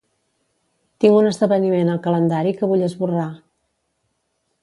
Tinc un esdeveniment al calendari que vull esborrar.